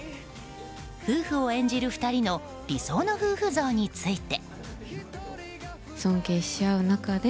夫婦を演じる２人の理想の夫婦像について。